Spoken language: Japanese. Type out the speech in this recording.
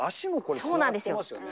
そうなんですよ。